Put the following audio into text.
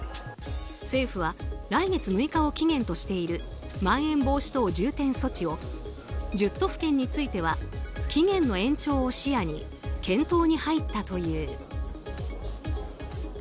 政府は来月６日を期限としているまん延防止等重点措置を１０都府県については期限の延長を視野に検討に入ったという。